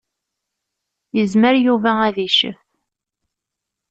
Yezmer Yuba ad iccef.